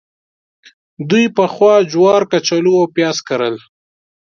دوی پخوا جوار، کچالو او پیاز کرل.